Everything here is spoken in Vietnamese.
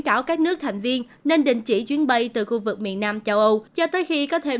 cảo các nước thành viên nên đình chỉ chuyến bay từ khu vực miền nam châu âu cho tới khi có thêm